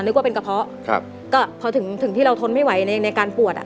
นึกว่าเป็นกระเพาะครับก็พอถึงถึงที่เราทนไม่ไหวในในการปวดอ่ะ